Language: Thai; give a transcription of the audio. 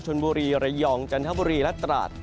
ชนบุรีไรยองเจนทบุรีลัตราด